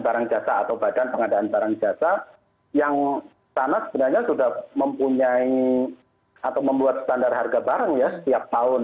barang jasa atau badan pengadaan barang jasa yang sana sebenarnya sudah mempunyai atau membuat standar harga barang ya setiap tahun